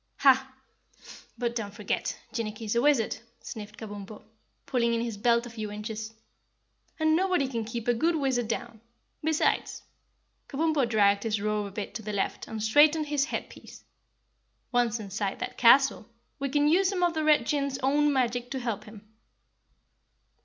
"Hah! but don't forget, Jinnicky's a wizard," sniffed Kabumpo, pulling in his belt a few inches, "and nobody can keep a good wizard down. Besides," Kabumpo dragged his robe a bit to the left and straightened his head piece, "once inside that castle, we can use some of the Red Jinn's own magic to help him."